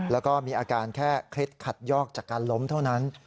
แล้วก็มีอาการแค่เคล็ดขัดยอกจากการล้มเท่านั้น